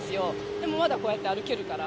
でもまだこうやって歩けるから。